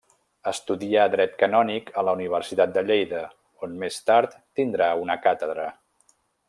Estudià dret canònic a la Universitat de Lleida, on més tard tindrà una càtedra.